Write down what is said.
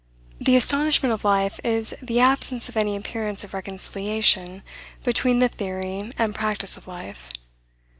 The astonishment of life, is, the absence of any appearance of reconciliation between the theory and practice of life.